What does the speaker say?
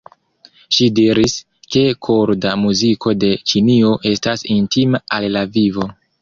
Ŝi diris, ke korda muziko de Ĉinio estas intima al la vivo.